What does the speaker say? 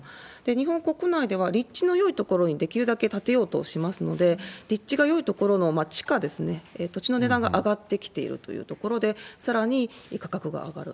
日本国内では、立地のよい所にできるだけ建てようとしますので、立地がよい所の地価ですね、土地の値段が上がってきているというところで、さらに価格が上がる。